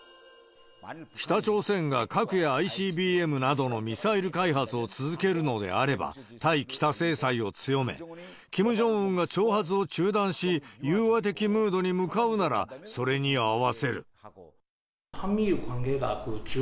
北朝鮮が核やＩＣＢＭなどのミサイル開発を続けるのであれば、対北制裁を強め、キム・ジョンウンが挑発を中断し、融和的ムードに向かうなら、それに合わせる。